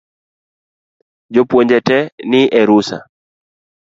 Jopuonje tee ni e rusa